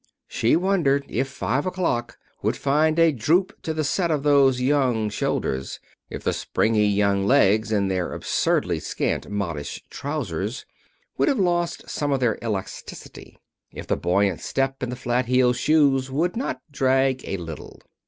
She wondered if five o'clock would find a droop to the set of those young shoulders; if the springy young legs in their absurdly scant modish trousers would have lost some of their elasticity; if the buoyant step in the flat heeled shoes would not drag a little.